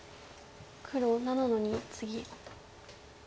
黒７の二ツギ。